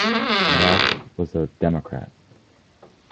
Murrah was a Democrat.